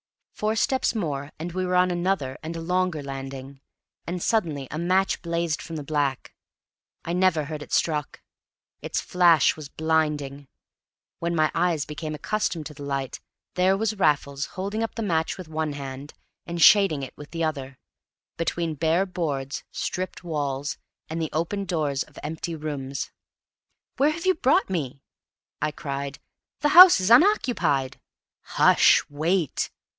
Four steps more, and we were on another and a longer landing, and suddenly a match blazed from the black. I never heard it struck. Its flash was blinding. When my eyes became accustomed to the light, there was Raffles holding up the match with one hand, and shading it with the other, between bare boards, stripped walls, and the open doors of empty rooms. "Where have you brought me?" I cried. "The house is unoccupied!" "Hush! Wait!"